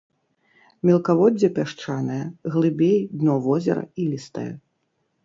Мелкаводдзе пясчанае, глыбей дно возера ілістае.